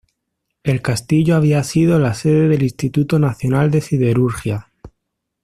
El castillo había sido la sede del Instituto Nacional de la Siderurgia.